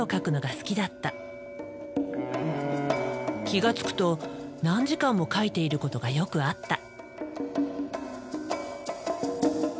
気が付くと何時間も描いていることがよくあった。